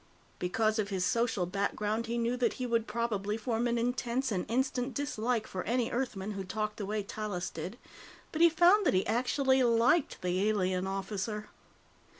Because of his social background, he knew that he would probably form an intense and instant dislike for any Earthman who talked the way Tallis did, but he found that he actually liked the alien officer.